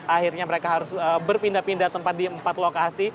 akhirnya mereka harus berpindah pindah tempat di empat lokasi